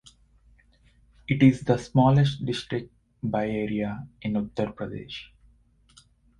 It is the smallest district by area in Uttar Pradesh.